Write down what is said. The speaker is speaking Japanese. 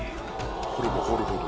掘れば掘るほど。